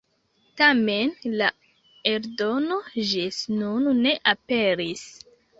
Tamen la eldono ĝis nun ne aperis.